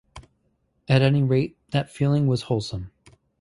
At any rate that feeling was wholesome.